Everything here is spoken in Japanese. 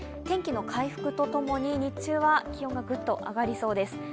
天気の回復とともに日中は気温がぐっと上がりそうです。